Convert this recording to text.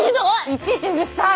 いちいちうるさい！